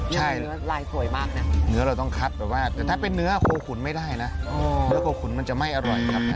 ใช่เนื้อเราต้องคัดแบบว่าแต่ถ้าเป็นเนื้อโคขุนไม่ได้นะเนื้อโคขุนมันจะไม่อร่อยครับ